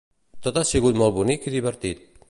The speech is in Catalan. Tot ha sigut molt bonic i divertit.